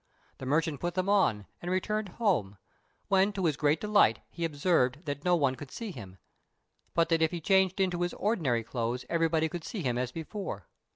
The merchant put them on, and returned home, when to his great delight he observed that no one could see him, but that if he changed into his ordinary clothes everybody could see him as before.